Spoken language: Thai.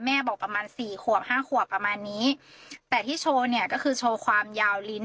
บอกประมาณสี่ขวบห้าขวบประมาณนี้แต่ที่โชว์เนี่ยก็คือโชว์ความยาวลิ้น